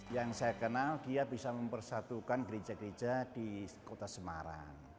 yang saya kenal dia bisa mempersatukan gereja gereja di kota semarang